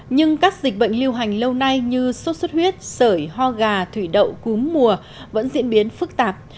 nhưng các dịch bệnh lưu hành lâu nay như sốt xuất huyết sởi ho gà thủy đậu cúm mùa vẫn diễn biến phức tạp